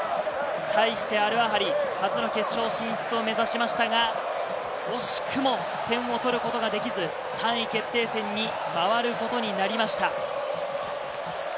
対してアルアハリ、初の決勝進出を目指しましたが、惜しくも点を取ることができず、３位決定戦に回ることになりました。